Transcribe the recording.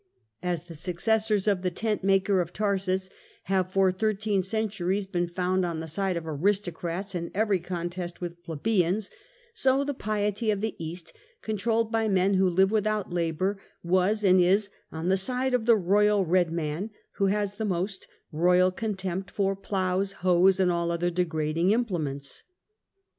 As the successors of the tent maker of Tarsus have for thirteen centuries been found on the side of aristo crats in every contest with plebians, so the piety of the East, controlled by men who live without Jaborj was and is on the side of the royal red man, who has a most royal contempt for plows, hoes and all other degrading implements.